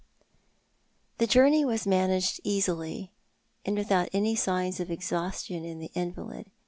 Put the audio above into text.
" The journey was managed easily, and without any signs of exhaustion in the invalid.